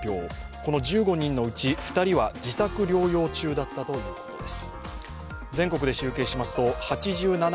この１５人のうち２人は自宅療養中だったということです。